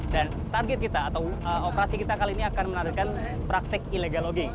dan target kita atau operasi kita kali ini akan menargetkan praktik illegal logging